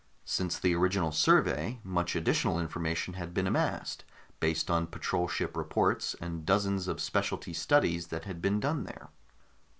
Since the original survey, much additional information had been amassed, based on patrol ship reports and dozens of specialty studies that had been done there.